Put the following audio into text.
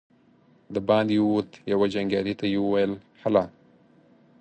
د باندې ووت، يوه جنګيالي ته يې وويل: هله!